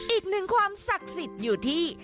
อีกหนึ่งความศักดิ์สิทธิ์อยู่ที่